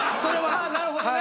ああなるほどね。